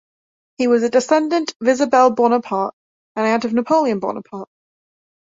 He was a descendant of Isabelle Bonaparte, an aunt of Napoleon Bonaparte.